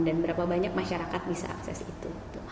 dan berapa banyak masyarakat bisa akses itu